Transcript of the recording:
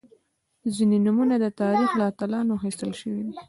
• ځینې نومونه د تاریخ له اتلانو اخیستل شوي دي.